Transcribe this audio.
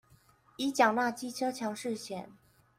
已繳納機車強制險